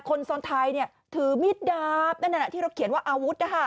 คนซ้อนไทยเนี้ยถือมีดดาบนั่นแหละที่เราเขียนว่าอาวุธนะฮะ